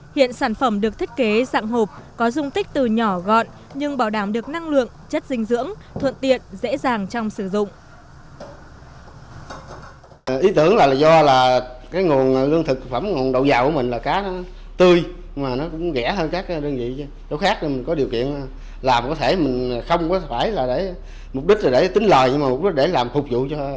hiện sản phẩm được thích kế dạng hộp có dung tích từ nhỏ gọn nhưng bảo đảm được năng lượng chất dinh dưỡng thuận tiện dễ dàng trong sử dụng